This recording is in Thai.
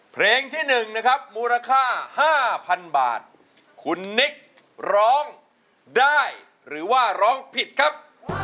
เพลงที่๑นะครับมูลค่า๕๐๐๐บาทคุณนิกร้องได้หรือว่าร้องผิดครับ